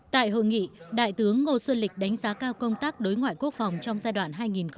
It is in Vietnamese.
tại hội nghị đại tướng ngô xuân lịch đánh giá cao công tác đối ngoại quốc phòng trong giai đoạn hai nghìn một mươi hai nghìn một mươi năm